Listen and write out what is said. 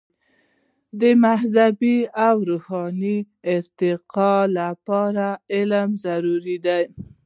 د مذهبي او روحاني ارتقاء لپاره علم ضروري دی.